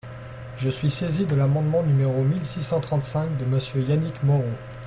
Je suis saisie de l’amendement numéro mille six cent trente-cinq de Monsieur Yannick Moreau.